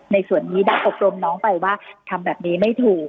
ในส่วนนี้ได้อบรมน้องไปว่าทำแบบนี้ไม่ถูก